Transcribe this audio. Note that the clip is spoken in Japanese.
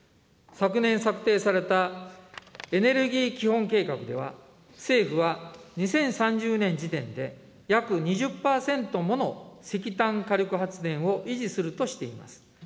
昨年策定されたエネルギー基本計画では、政府は２０３０年時点で、約２０％もの石炭火力発電を維持するとしています。